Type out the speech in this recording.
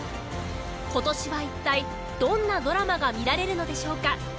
今年は一体どんなドラマが見られるのでしょうか？